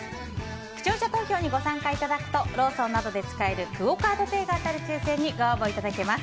視聴者投票にご参加いただくとローソンなどで使えるクオ・カードペイ５００円分が当たる抽選にご応募いただけます。